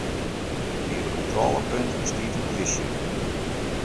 By it kontrôlepunt stiet in plysje.